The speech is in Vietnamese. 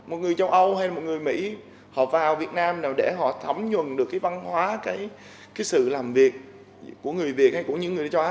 một người châu âu hay một người mỹ họ vào việt nam nào để họ thấm nhuận được cái văn hóa cái sự làm việc của người việt hay của những người châu á